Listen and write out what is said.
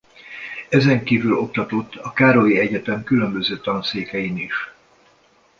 Ezen kívül oktatott a Károly Egyetem különböző tanszékein is.